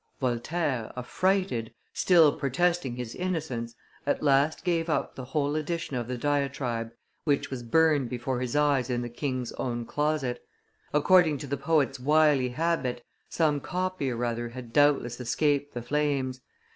Voltaire, affrighted, still protesting his innocence, at last gave up the whole edition of the diatribe, which was burned before his eyes in the king's own closet. According to the poet's wily habit, some copy or other had doubtless escaped the flames.